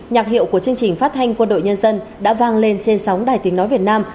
nhạc hiệu của chương trình phát thanh quân đội nhân dân đã vang lên trên sóng đài tiếng nói việt nam